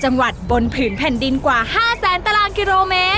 ๗๗จังหวัดบนผืนแผ่นดินกว่า๕๐๐ตรคม